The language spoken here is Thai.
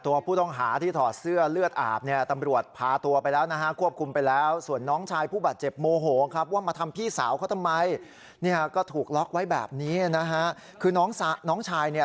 ตัวผู้ต้องหาที่ถอดเสื้อเลือดอาบเนี่ยตำรวจพาตัวไปแล้วนะฮะควบคุมไปแล้วส่วนน้องชายผู้บาดเจ็บโมโหครับว่ามาทำพี่สาวเขาทำไมเนี่ยก็ถูกล็อกไว้แบบนี้นะฮะคือน้องน้องชายเนี่ย